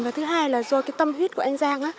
và thứ hai là do cái tâm huyết của anh giang